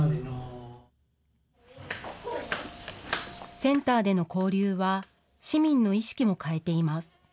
センターでの交流は、市民の意識も変えています。